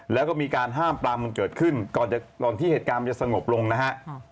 แล้วก็มีการห้ามปลามกันเกิดขึ้นก่อนที่เหตุการณ์มันจะสงบลงนะฮะ